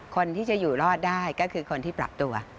คนที่จะอยู่รอดได้ก็คือคนที่ปรับตัว